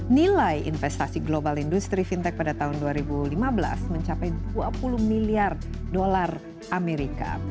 nilai investasi global industri fintech pada tahun dua ribu lima belas mencapai dua puluh miliar dolar amerika